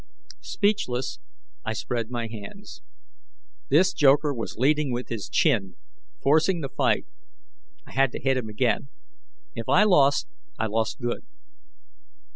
Speechless, I spread my hands. This joker was leading with his chin, forcing the fight. I had to hit him again; if I lost, I lost good.